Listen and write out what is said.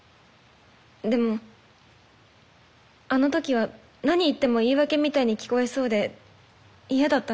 でもあの時は何言っても言い訳みたいに聞こえそうで嫌だったの。